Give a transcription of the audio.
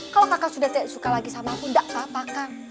kalau kakak sudah tidak suka lagi sama aku enggak apa apa kang